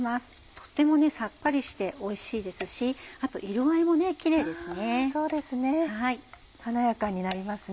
とってもさっぱりしておいしいですしあと色合いもキレイですね。